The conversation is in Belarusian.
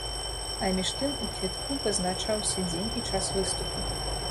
А між тым у квітку пазначаўся дзень і час выступу.